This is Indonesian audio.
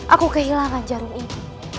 aku kehilangan jarum ini